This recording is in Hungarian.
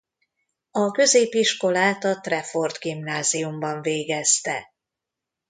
A középiskolát a Trefort Gimnáziumban végezte.